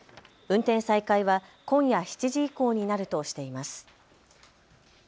運転再開は今夜７時以降になるとしています。